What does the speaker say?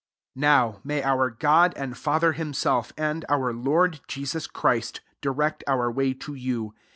11 Now may our God and Father himself, and our Lord Jesus Christ, direct our way to you.